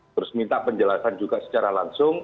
terus minta penjelasan juga secara langsung